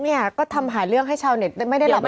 เนี่ยก็ทำหาเรื่องให้ชาวเน็ตไม่ได้หลับ